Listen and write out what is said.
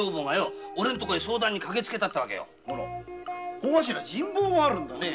小頭人望があるんだね。